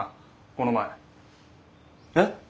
この前。え？